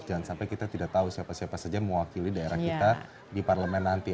jangan sampai kita tidak tahu siapa siapa saja mewakili daerah kita di parlemen nanti